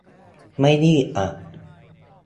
ไม่รีบอะ